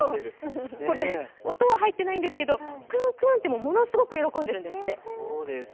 これ、音は入ってないんですけどクンクンってものすごく喜んでるんですって。